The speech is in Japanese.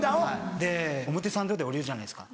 で表参道で降りるじゃないですか。